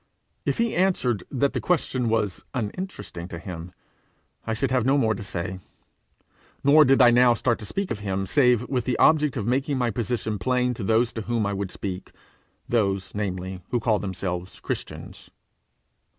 If he answered that the question was uninteresting to him, I should have no more to say; nor did I now start to speak of him save with the object of making my position plain to those to whom I would speak those, namely, who call themselves Christians.